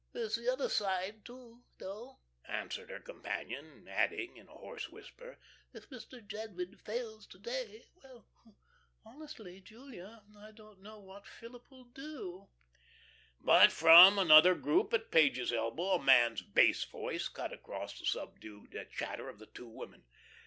"There's the other side, too, though," answered her companion, adding in a hoarse whisper: "If Mr. Jadwin fails to day well, honestly, Julia, I don't know what Philip will do." But, from another group at Page's elbow, a man's bass voice cut across the subdued chatter of the two women.